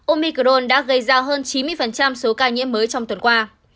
omicron đã gây ra hơn chín mươi số ca nhiễm mới trong tuần qua